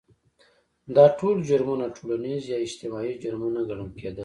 دا ټول جرمونه ټولنیز یا اجتماعي جرمونه ګڼل کېدل.